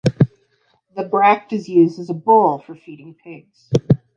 The bract is used as a bowl for feeding pigs.